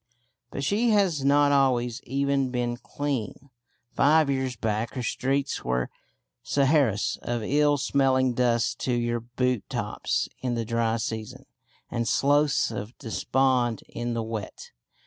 But she has not always even been clean. Five years back her streets were Saharas of ill smelling dust to your boot tops in the dry season, and sloughs of despond in the wet.